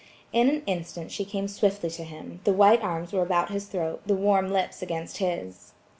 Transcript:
In an instant she came swiftly to him–the white arms were about his throat, the warm lips against his.